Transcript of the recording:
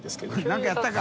何かやったか？